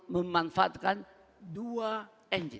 memanfaatkan dua engine